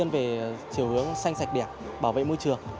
bảo vệ môi trường